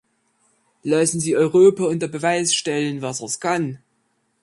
Lassen Sie Europa unter Beweis stellen, was es kann.